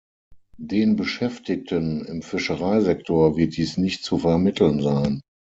Den Beschäftigten im Fischereisektor wird dies nicht zu vermitteln sein.